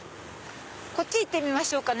こっち行ってみましょうかね。